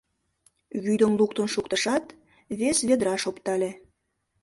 Вӱдым луктын шуктышат, вес ведраш оптале.